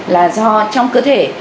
là do trong cơ thể